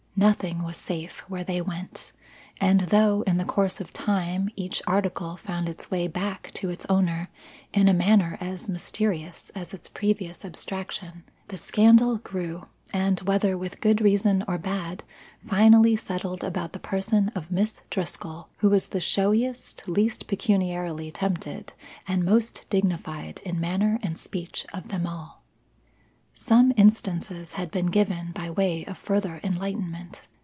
Nothing was safe where they went, and though, in the course of time, each article found its way back to its owner in a manner as mysterious as its previous abstraction, the scandal grew and, whether with good reason or bad, finally settled about the person of Miss Driscoll, who was the showiest, least pecuniarily tempted, and most dignified in manner and speech of them all. Some instances had been given by way of further enlightenment.